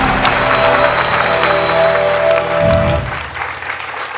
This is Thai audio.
ไม่ใช้นะครับ